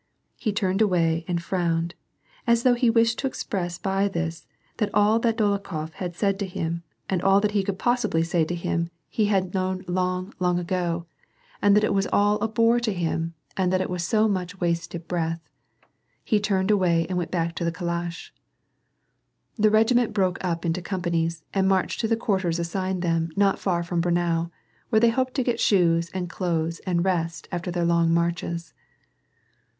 He turned away and frowned, as though he wished to express by this that all that Dolokhof had said to him and all that he could possibly say to him ♦ V4sfie vxiisokoprevaskhoditydstvo^ 138 WAR AND PEACE. he had known long, long ago^ and that it was all a bore to him and that it was so much wasted breath. He turned away and went back to the calash. The regiment broke up into companies and marched to the quarters assigned them not far from Braunau, where they hoped to get shoes and clothes and rest after their long marches.